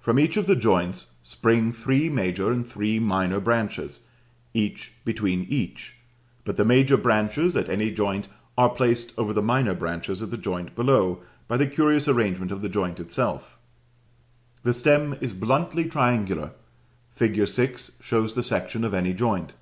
From each of the joints spring three major and three minor branches, each between each; but the major branches, at any joint, are placed over the minor branches at the joint below, by the curious arrangement of the joint itself the stem is bluntly triangular; fig. 6 shows the section of any joint.